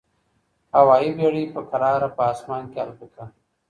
هوايي بېړۍ په کراره په اسمان کي البوته.